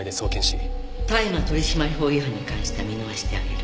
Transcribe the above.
大麻取締法違反に関しては見逃してあげる。